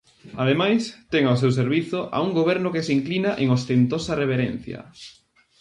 Ademais, ten ao seu servizo a un goberno que se inclina en ostentosa reverencia.